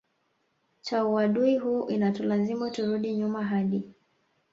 cha uadui huu inatulazimu turudi nyuma hadi